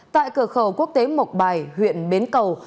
tại cửa khẩu quốc tế mộc bài huyện bến cầu